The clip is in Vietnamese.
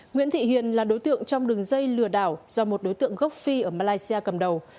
nguyễn thị hiền là đối tượng trong đường dây lừa đảo do một đối tượng gốc phi ở malaysia cầm đầu